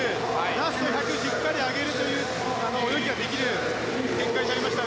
ラスト１００しっかり上げるという泳ぎができる展開になりました。